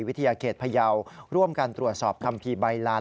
วิทยาเขตพยาวร่วมกันตรวจสอบคัมภีร์ใบลาน